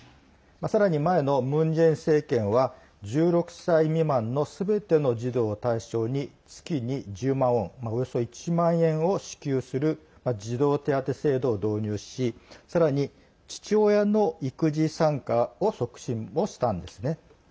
さらに前のムン・ジェイン政権は１６歳未満のすべての児童を対象に月に１０万ウォンおよそ１万円を支給する児童手当制度を導入しさらに父親の育児参加の促進もしたんですね。